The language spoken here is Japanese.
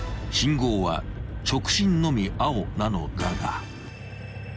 ［信号は直進のみ青なのだが］